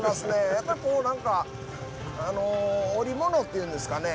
やっぱりこう何か織物っていうんですかね